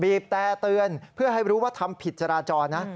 แต่เตือนเพื่อให้รู้ว่าทำผิดจราจรนะ